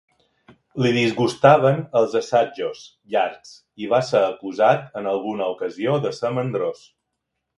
Li disgustaven els assajos llargs i va ser acusat en alguna ocasió de ser mandrós.